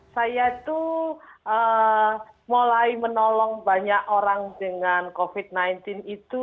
saya itu mulai menolong banyak orang dengan covid sembilan belas itu